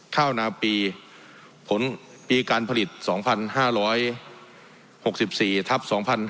ข้าวนาปีผลปีการผลิต๒๕๖๔ทับ๒๕๕๙